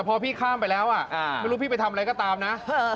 พอพี่ข้ามไปแล้วไม่รู้พี่ไปทำอะไรก็ตามนะ